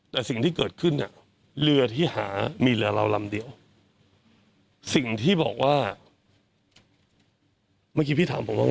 แต่สิ่งที่เกิดขึ้นเนี่ยเรือที่หามีเรือเราลำเดียวสิ่งที่บอกว่าเมื่อกี้พี่ถามผมว่า